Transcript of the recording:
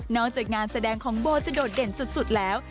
จากงานแสดงของโบจะโดดเด่นสุดแล้ว